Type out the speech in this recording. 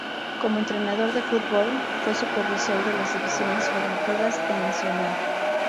Como entrenador de fútbol fue supervisor de las divisiones formativas de Nacional.